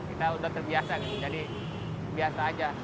kita sudah terbiasa jadi biasa saja